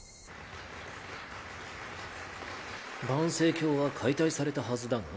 盤星教は解体されたはずだが？